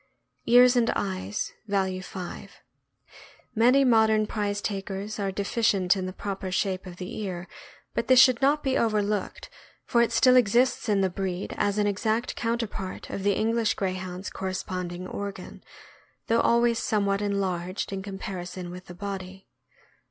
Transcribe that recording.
Ears and eyes (value 5). — Many modern prize takers are THE ITALIAN GREYHOUND. 635 deficient in the proper shape of the ear; but this should not be overlooked, for it still exists in the breed as an exact counterpart of the English Greyhound's corresponding organ, though always somewhat enlarged in comparison with the body.